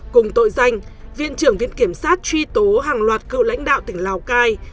cùng tội danh viện trưởng viện kiểm sát truy tố hàng loạt cựu lãnh đạo tỉnh lào cai